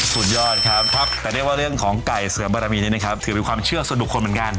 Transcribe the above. สุดยอดครับครับแต่เรียกว่าเรื่องของไก่เสริมบารมีนี้นะครับถือเป็นความเชื่อส่วนบุคคลเหมือนกัน